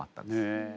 へえ。